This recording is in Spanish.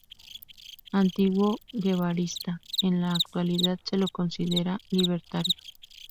Antiguo guevarista, en la actualidad se lo considera libertario.